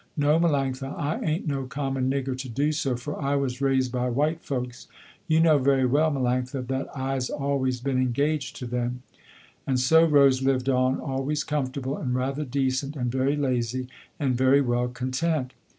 "No Melanctha, I ain't no common nigger to do so, for I was raised by white folks. You know very well Melanctha that I'se always been engaged to them." And so Rose lived on, always comfortable and rather decent and very lazy and very well content.